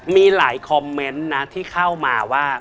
มีหลายคอมเมนต์นะที่เข้ามาว่า